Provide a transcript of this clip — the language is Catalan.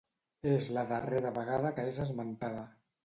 És la darrera vegada que és esmentada.